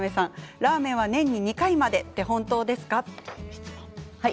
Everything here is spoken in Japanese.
ラーメンは年に２回までってはい、本当です。